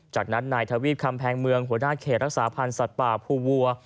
จากนั้นนายทวีปคำแพงเมืองหัวหน้าเขตรักษาพันธ์สัตว์ป่าภูวัว